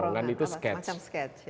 cengkorongan itu sketch